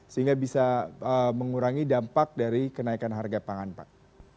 sehingga bisa mengurangi dampak dari kenaikan harga pangan pak